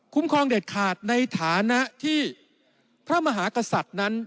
ครองเด็ดขาดในฐานะที่พระมหากษัตริย์นั้น